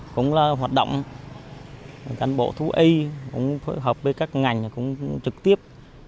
cũng là hoạt động cán bộ thu y cũng hợp với các ngành cũng trực tiếp